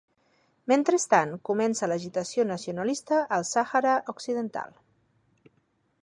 Mentrestant, comença l'agitació nacionalista al Sàhara Occidental.